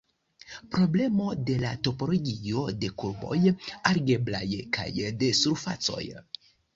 Problemo de la topologio de kurboj algebraj kaj de surfacoj.